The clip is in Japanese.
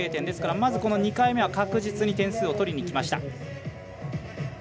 ですから２回目は確実に点数を取りにきました。